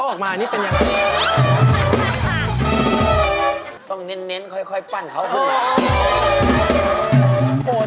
อีกหนึ่งทีมเป็นยังไงบ้างลูก